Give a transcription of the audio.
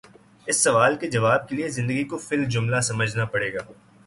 اس سوال کے جواب کے لیے زندگی کو فی الجملہ سمجھنا پڑے گا۔